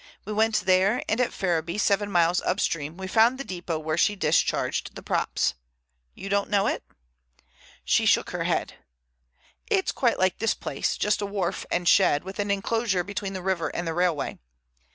We went there and at Ferriby, seven miles up stream, we found the depot where she discharged the props. You don't know it?" She shook her head. "It's quite like this place; just a wharf and shed, with an enclosure between the river and the railway.